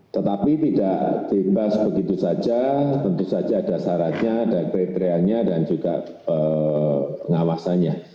tetapi tidak diimbas begitu saja tentu saja ada syaratnya ada kriteriannya dan juga pengawasannya